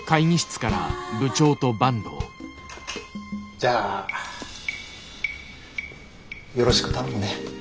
じゃあよろしく頼むね。